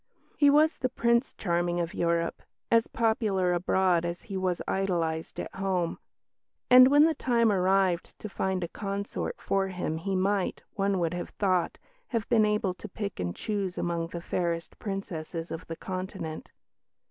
He was the "Prince Charming" of Europe, as popular abroad as he was idolised at home; and when the time arrived to find a consort for him he might, one would have thought, have been able to pick and choose among the fairest Princesses of the Continent.